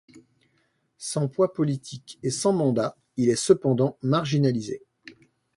Sans poids politique et sans mandat, il est cependant marginalisé.